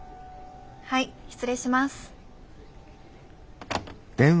はい失礼します。